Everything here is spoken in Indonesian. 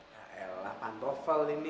yaelah pantrovel ini